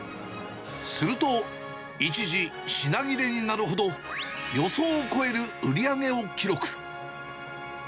すると、一時品切れになるほど、予想を超える売り上げを記録。